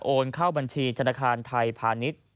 โอนเข้าบัญชีธนาคารไทยพาณิชย์